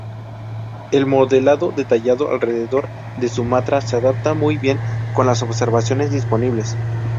El modelado detallado alrededor de Sumatra, se adapta muy bien con las observaciones disponibles.